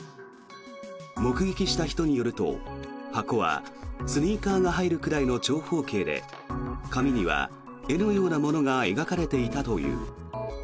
目撃した人によると箱はスニーカーが入るぐらいの長方形で紙には絵のようなものが描かれていたという。